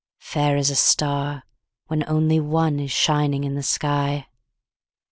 –Fair as a star, when only one Is shining in the sky.